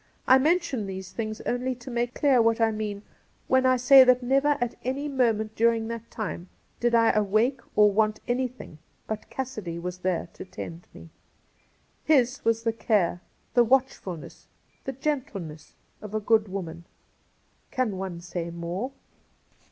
I mention these things only to make clear what I mean when I say that never at any moment during that time did I awake or want anything but Cassidy was there to tend me. His was the care, the watchfulness, the gentleness, of a good woman. Can one say more